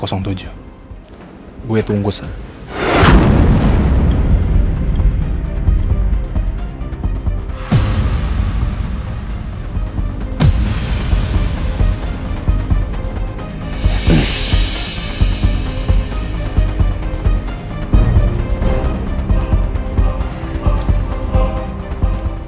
sekarang saatnya gue ketemu sama si cantik